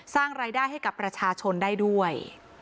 สร้างรายได้ให้กับประชาชนได้ด้วย